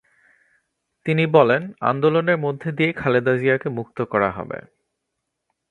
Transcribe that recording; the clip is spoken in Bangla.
তিনি বলেন, আন্দোলনের মধ্যে দিয়েই খালেদা জিয়াকে মুক্ত করা হবে।